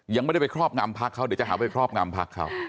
ยังไม่ได้ไปครอบงำพักเขาเดี๋ยวจะหาไปครอบงำพักเขา